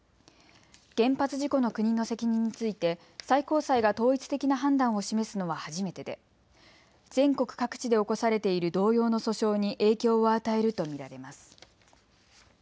原発事故の国の責任について最高裁が統一的な判断を示すのは初めてで全国各地で起こされている同様の訴訟に影響を与えると見られます。